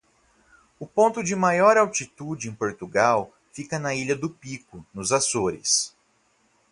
O ponto de maior altitude em Portugal fica na ilha do Pico, nos Açores.